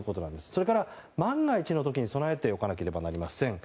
それから、万が一の時も備えておかなければなりません。